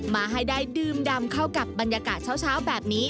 มาให้ได้ดื่มดำเข้ากับบรรยากาศเช้าแบบนี้